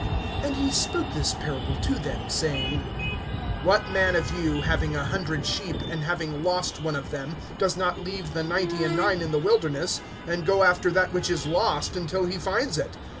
(3)And he spoke this parable to them, saying: (4)What man of you, having a hundred sheep, and having lost one of them, does not leave the ninety and nine in the wilderness, and go after that which is lost, until he finds it?